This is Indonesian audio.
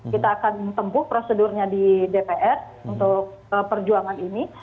kita akan tempuh prosedurnya di dpr untuk perjuangan ini